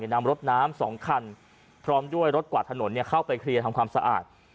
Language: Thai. นำรถน้ำ๒คันพร้อมด้วยรถกวาดถนนเข้าไปเคลียร์ทำความสะอาด